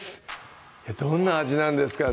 どんな味なんですかね？